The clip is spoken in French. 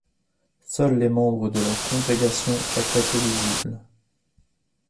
Seuls les membres de leur congrégation étaient éligibles.